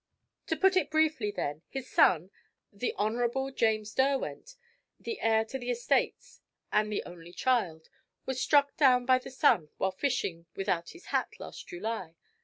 To put it briefly then, his son, the Hon. James Derwent, the heir to the estates and the only child, was struck down by the sun while fishing without his hat last July.